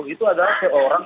itu adalah seorang